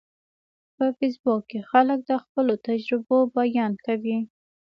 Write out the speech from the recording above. په فېسبوک کې خلک د خپلو تجربو بیان کوي